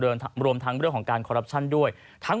และการแก้ปัญหาต่าง